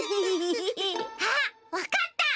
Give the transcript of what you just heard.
あっわかった！